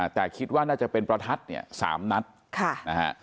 แต่คิดว่าน่าจะเป็นประทัดเนี่ย๓นัดนะฮะ